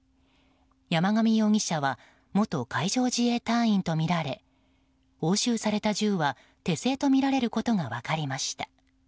山上容疑者は元海上自衛隊員とみられ押収された銃は手製とみられることが分かりました。